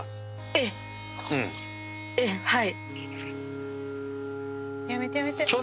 えっはい。